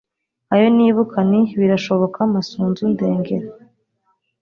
Ayo nibuka ni “Birashoboka, Masunzu, Ndengera